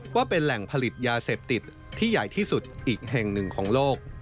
ว่าเป็นแหล่งผลิตยาเสพติดที่ใหญ่ที่สุดอีกแห่งหนึ่งของโลก